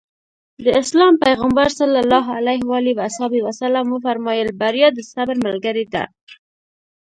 د اسلام پيغمبر ص وفرمايل بريا د صبر ملګرې ده.